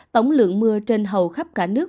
tổng lượng mưa trên hầu khắp cả nước